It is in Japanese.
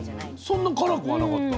そんな辛くはなかった。